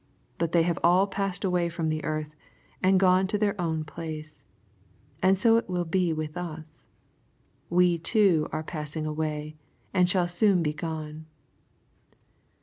But they have all passed away from the earth, and gone to their own place. And so will it be with us. We too are passing sway, and shall soon be gone.